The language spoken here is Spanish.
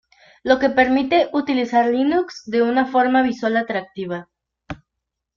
Lo que permite utilizar Linux de una forma visual atractiva.